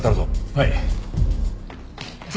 はい。